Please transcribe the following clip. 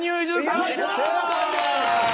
正解です！